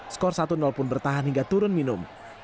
skor satu pun bertahan hingga turun minum